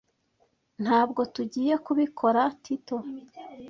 Ntabwo tugiye kubikora, Tito .